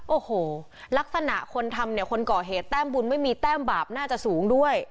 โอ้โหลักษณะคนทำเนี่ยคนก่อเหตุแต้มบุญไม่มีแต้มบาปน่าจะสูงด้วย